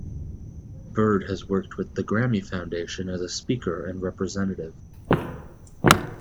Byrd has worked with The Grammy Foundation as a speaker and representative.